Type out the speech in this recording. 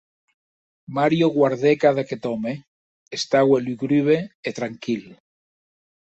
Mario guardèc ad aqueth òme; estaue lugubre e tranquil.